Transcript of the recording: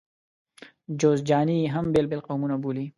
جوزجاني هم بېل بېل قومونه بولي.